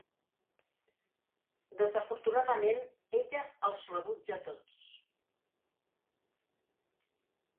Desafortunadament, ella els rebutja a tots.